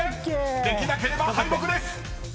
［できなければ敗北です！］